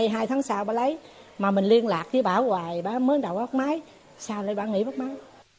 hai tháng sau bà lấy mà mình liên lạc với bà hoài bà mới đầu bắt máy sau đấy bà nghỉ bắt máy